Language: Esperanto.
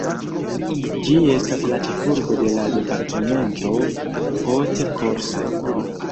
Ĝi estas la ĉefurbo de la departemento Haute-Corse.